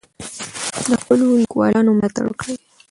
د خپلو لیکوالانو ملاتړ وکړئ.